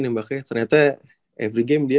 nembaknya ternyata every game dia